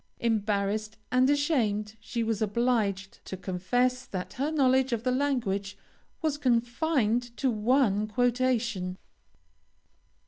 Embarrassed and ashamed, she was obliged to confess that her knowledge of the language was confined to one quotation.